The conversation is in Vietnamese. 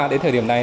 đến thời điểm này